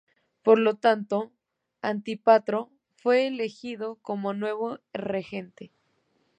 Por lo tanto, Antípatro fue elegido como nuevo regente.